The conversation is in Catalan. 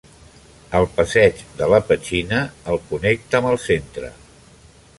El passeig de la Petxina el connecta amb el centre.